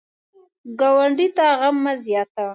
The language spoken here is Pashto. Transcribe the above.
ګاونډي ته غم مه زیاتوئ